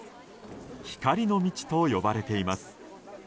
光の道と呼ばれています。